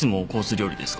料理ですか？